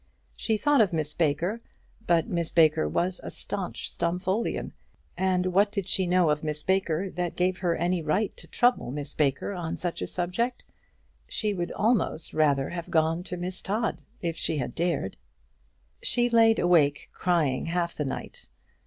She thought of Miss Baker, but Miss Baker was a staunch Stumfoldian; and what did she know of Miss Baker that gave her any right to trouble Miss Baker on such a subject? She would almost rather have gone to Miss Todd, if she had dared. She laid awake crying half the night.